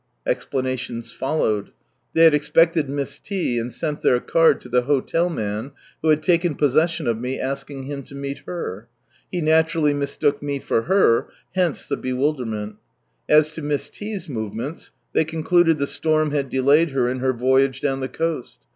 Explanations followed. They had expected Miss T. and sent llieir card lo the hotel man who had taken possession of me, asking him lo meet her. He naturally mistook me for her, hence the bewildermetiL As to Miss T.'s movements they concluded the storm had delayed her in her voyage down the coast.